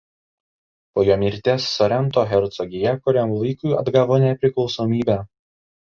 Po jo mirties Sorento hercogija kuriam laikui atgavo nepriklausomybę.